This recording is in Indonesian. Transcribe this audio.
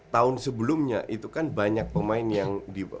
tahun sebelumnya itu kan banyak pemain yang di